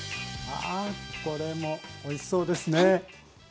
これもおいしそうですね。